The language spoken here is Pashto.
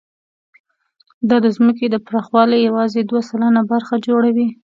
دا د ځمکې د پراخوالي یواځې دوه سلنه برخه جوړوي.